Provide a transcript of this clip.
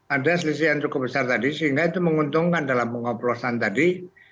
ada selisih yang cukup besar tadi sehingga itu menguntungkan dalam pengoplosan tadi